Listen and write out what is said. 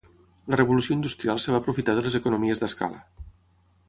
La revolució industrial es va aprofitar de les economies d'escala.